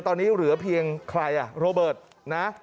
ตอนนี้เหลือเพียงใครอ่ะโรเบิร์ตนะ